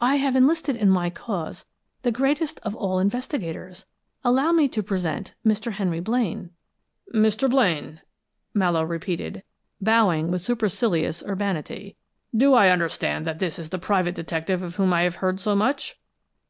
"I have enlisted in my cause the greatest of all investigators. Allow me to present Mr. Henry Blaine." "Mr. Blaine," Mallowe repeated, bowing with supercilious urbanity. "Do I understand that this is the private detective of whom I have heard so much?"